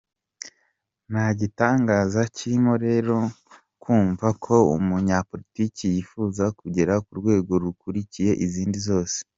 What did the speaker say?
Ntagitangaza kirimo rero kumva ko umunyapolitiki yifuza kugera kurwego rukuriye izindi zose,